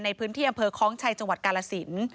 ในพื้นที่อำเภอคล้องชัยจังหวัดกาลสิน